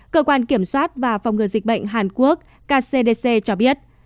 cơ quan kiểm soát và phòng ngừa dịch bệnh hàn quốc kcdc cho biết